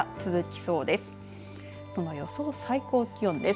その予想最高気温です。